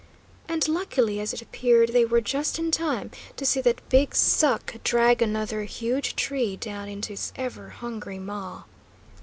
And, luckily as it appeared, they were just in time to see that "big suck" drag another huge tree down into its ever hungry maw.